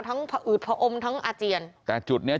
ทั้งอืดพออมทั้งอาเจียน